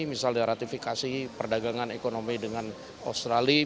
misalnya ratifikasi perdagangan ekonomi dengan australia